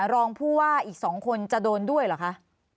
รองผู้ว่าอีก๒คนจะโดนด้วยเหรอคะ